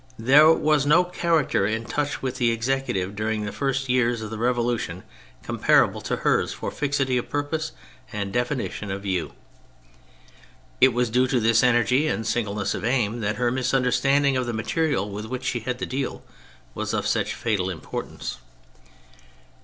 There was no character in touch with the Executive during the first years of the Revolution comparable to hers for fixity of purpose and definition of view. It was due to this energy and singleness of aim that her misunderstanding of the material with which she had to deal was of such fatal importance.